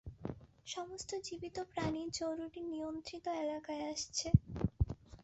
সমস্ত জীবিত প্রাণী জরুরী নিয়ন্ত্রিত এলাকায় আসছে।